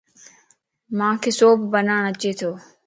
مانک سوپ بناڻَ اچي تو